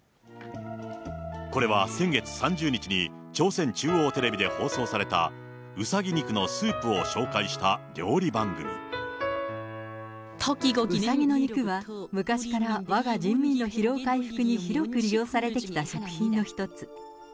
これは先月３０日に、朝鮮中央テレビで放送されたうさぎ肉のうさぎの肉は、昔からわが人民の疲労回復に広く利用されてきた食品の一つ。